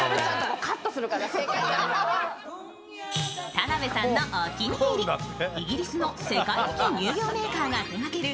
田辺さんのお気に入り、イギリスの世界的乳業メーカーが手がける